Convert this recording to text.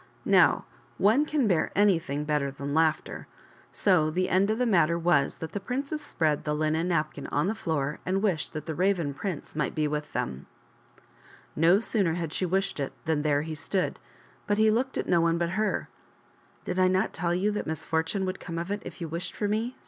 Now ore can bear anything better than laughter. So the end of the matter was that the princess spread the linen napkin on the floor and wished that the Raven prince might be with them. 1:^^:212 72 PRINCESS GOLDEN HAIR AND THE GREAT BLACK RAVEN. No sooner had she wished it than there he stood ; but he looked at no one but her. " Did I not tell you that misfortune would come of it if you wished for me